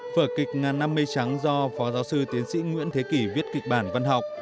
vở kịch ngàn năm mây trắng do phó giáo sư tiến sĩ nguyễn thế kỷ viết kịch bản văn học